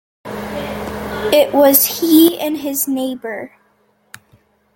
It was he and his neighbour.